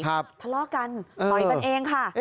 ทะเลาะกันต่อยกันเองค่ะ